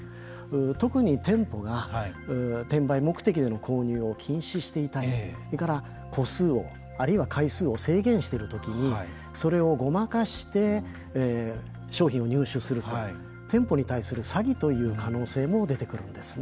特に、店舗が転売目的での購入を禁止していたりそれから個数をあるいは回数を制限している時にそれをごまかして商品を入手すると店舗に対する詐欺という可能性も出てくるんですね。